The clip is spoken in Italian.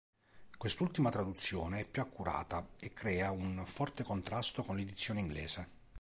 Quest'ultima traduzione è più accurata e crea un forte contrasto con l'edizione inglese.